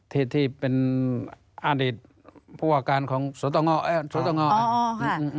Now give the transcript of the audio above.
ที่เป็นอาฤษฐ์พูดว่าการของสวตะงอ